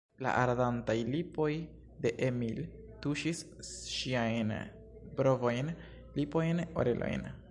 La ardantaj lipoj de Emil tuŝis ŝiajn brovojn, lipojn, orelojn.